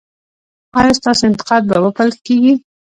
ایا ستاسو انتقاد به وپل کیږي؟